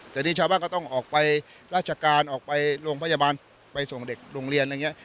แต่นี่ชาวบ้านก็ต้องออกไปราชการออกไปโรงพยาบาลไปส่งเด็กโรงเรียนอย่างนี้